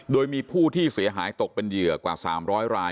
โดยมีผู้ที่เสียหายตกเป็นเหยื่อกว่า๓๐๐ราย